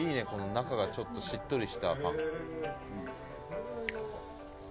中が、ちょっとしっとりたパン。